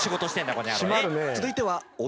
この野郎。